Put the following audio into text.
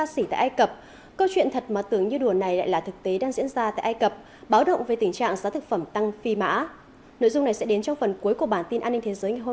xin kính chào tạm biệt